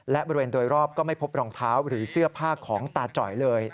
และบริเวณโดยรอบก็ไม่พบรองเท้าหรือเสื้อผ้าของตาจ่อยเลย